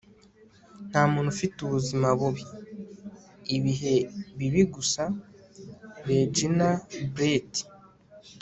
nta muntu ufite ubuzima bubi. ibihe bibi gusa. - regina brett